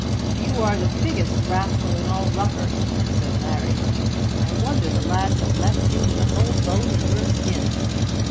"You are the biggest rascal in all Rufford," said Larry. "I wonder the lads have left you with a whole bone in your skin."